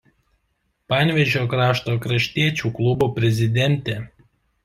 Panevėžio krašto kraštiečių klubo prezidentė.